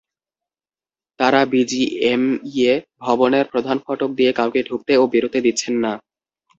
তাঁরা বিজিএমইএ ভবনের প্রধান ফটক দিয়ে কাউকে ঢুকতে ও বেরোতে দিচ্ছেন না।